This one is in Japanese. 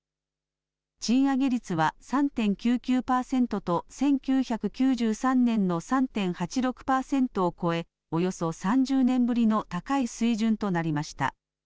賃上げ率は３．９９％と、１９９３年の３．８６％を超え、およそ３０年ぶりの高い水準となりました。